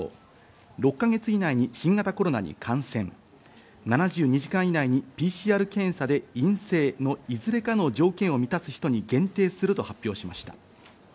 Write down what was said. ６か月以内に新型コロナに感染、７２時間以内にＰＣＲ検査で偽陰性のいずれかの条件を満たす人に限定すると発表しました。